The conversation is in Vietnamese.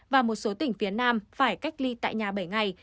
và một số tỉnh phía nam phải cách ly tại nhà bảy ngày